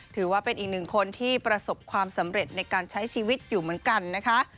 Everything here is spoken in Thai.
ถือว่าเป็นอีกหนึ่งคนที่ประสบความสำเร็จในการใช้ชีวิตอยู่เหมือนกันนะคะ